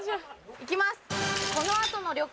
行きます！